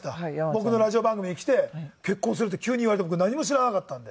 僕のラジオ番組に来て結婚するって急に言われて僕何も知らなかったんで。